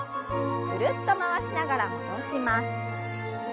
ぐるっと回しながら戻します。